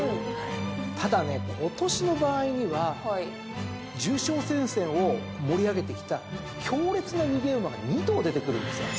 ただね今年の場合には重賞戦線を盛り上げてきた強烈な逃げ馬が２頭出てくるんですよ。